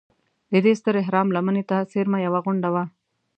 د دې ستر اهرام لمنې ته څېرمه یوه غونډه وه.